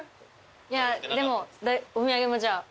いやでもお土産もじゃあ。